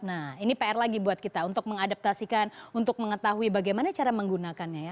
nah ini pr lagi buat kita untuk mengadaptasikan untuk mengetahui bagaimana cara menggunakannya ya